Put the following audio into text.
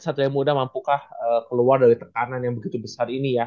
satria muda mampukah keluar dari tekanan yang begitu besar ini ya